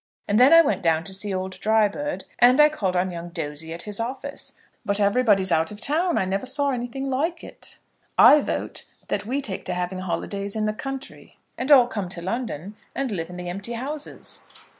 And then I went down to see old Drybird, and I called on young Dozey at his office. But everybody is out of town. I never saw anything like it. I vote that we take to having holidays in the country, and all come to London, and live in the empty houses."